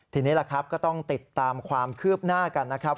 ทีนี้ล่ะครับก็ต้องติดตามความคืบหน้ากันนะครับ